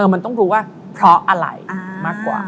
มันต้องรู้ว่าเพราะอะไรมากกว่า